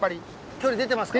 距離出てますか？